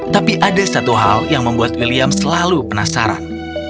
tapi ada satu hal yang membuat william selalu penasaran